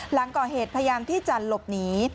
หลังก่อเหตุพยายามที่จะหลบหนี